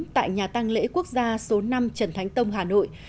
tại nhà tăng lễ quốc gia số năm trần thánh tông hà nội